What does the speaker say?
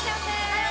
はい！